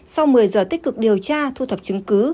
sau một mươi giờ tích cực điều tra thu thập chứng cứ